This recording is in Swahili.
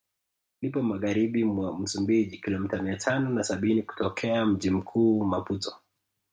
Lipo Magharibi mwa Msumbiji kilomita mia tano na sabini kutokea mji mkuu Maputo